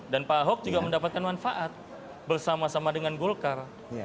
dan pak ahop juga mendapatkan manfaat bersama sama dengan gulkar